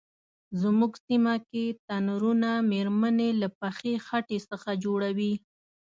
زمونږ سیمه کې تنرونه میرمنې له پخې خټې څخه جوړوي.